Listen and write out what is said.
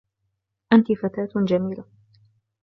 أنت فتاة جميلة.